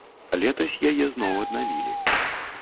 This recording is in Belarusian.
Летась яе зноў аднавілі.